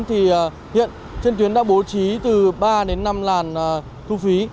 thì hiện trên tuyến đã bố trí từ ba đến năm làn thu phí